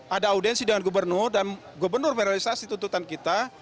ada audensi dengan gubernur dan gubernur merealisasikan tututan kita